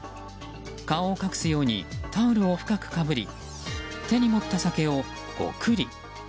顔を隠すようにタオルを深くかぶり手に持った酒をごくり。